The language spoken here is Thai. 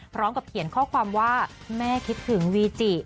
พร้อมกับเขียนข้อความว่าแม่คิดถึงวีจิ